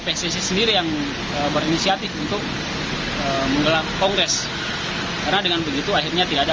pssi sendiri yang berinisiatif untuk menggelar kongres karena dengan begitu akhirnya tidak ada